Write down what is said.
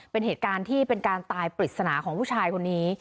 เป็นเหตุการณ์ที่เป็นการตายปริศนาของผู้ชายคนนี้